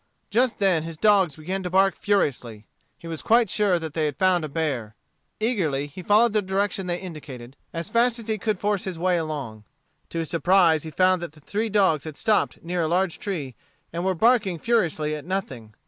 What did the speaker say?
Just then his dogs began to bark furiously. He was quite sure that they had found a bear. Eagerly he followed the direction they indicated, as fast as he could force his way along. To his surprise he found that the three dogs had stopped near a large tree, and were barking furiously at nothing.